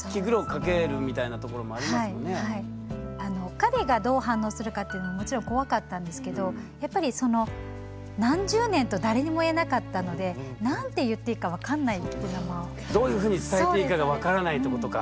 彼がどう反応するかっていうのももちろん怖かったんですけどやっぱりその何十年と誰にも言えなかったのでどういうふうに伝えていいかが分からないってことか。